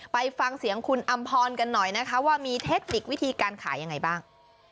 ไปฟังเสียงคุณอำพรกันหน่อยนะคะว่ามีเทคนิควิธีการขายยังไงบ้าง